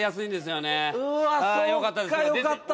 よかったです。